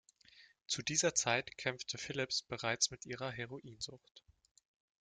Zu dieser Zeit kämpfte Phillips bereits mit ihrer Heroinsucht.